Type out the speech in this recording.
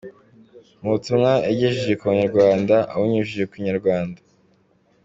Mu butumwa yagejeje ku banyarwanda abunyujije ku Inyarwanda.